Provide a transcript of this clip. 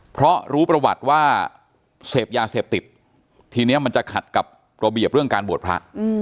เพราะรู้ประวัติว่าเสพยาเสพติดทีนี้มันจะขัดกับระเบียบเรื่องการบวชพระ